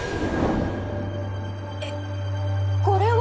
えっこれは！